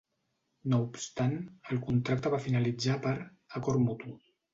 No obstant, el contracte va finalitzar per "acord mutu".